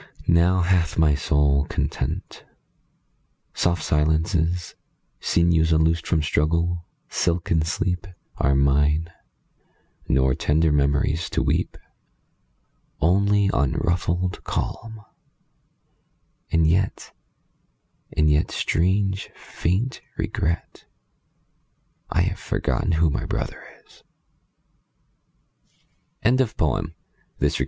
Now hath my soul content. Soft silences, Sinews unloosed from struggle, silken sleep, 27 Are mine; nor tender memories to weep. Only unruffled calm; and yet — and yet — Strange, faint regret — I have forgotten who my brother is! — Helen Coale Crew.